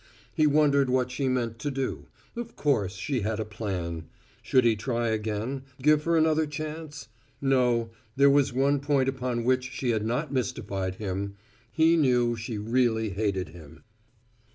He wondered what she meant to do; of course she had a plan. Should he try again, give her another chance? No; there was one point upon which she had not mystified him: he knew she really hated him.